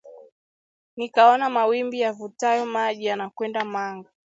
Nikaona mawimbi yavutayo maji yanakwenda Manga